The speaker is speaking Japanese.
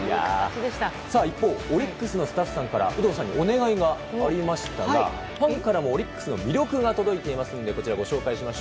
一方、オリックスの方から有働さんにお願いがありましたがファンからもオリックスの魅力が届いていますのでこちらご紹介します。